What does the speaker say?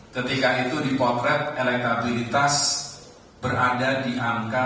ketika itu dipopret elektabilitas berada di alam jawa timur